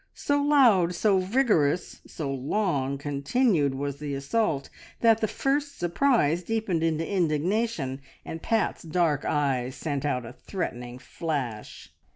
So loud, so vigorous, so long continued was the assault, that the first surprise deepened into indignation, and Pat's dark eyes sent out a threatening flash.